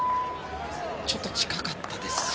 ちょっと近かったですか。